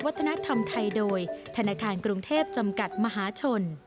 วัฒนธรรมไทยโดยธนาคารกรุงเทพจำกัดมหาชน